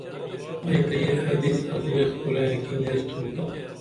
ائی تہ یہ حدیث ازمیخ کُرائینکی نیستُھم تا